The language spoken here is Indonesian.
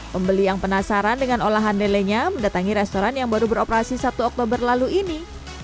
pembeli yang penasaran dengan olahan lelenya mendatangi restoran yang baru beroperasi satu oktober lalu ini